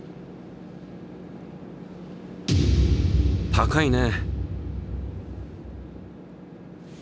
高いね。